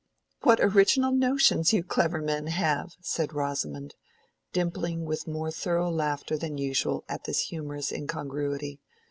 "What original notions you clever men have!" said Rosamond, dimpling with more thorough laughter than usual at this humorous incongruity.